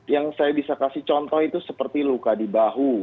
yang saya bisa kasih contoh itu seperti luka di bahu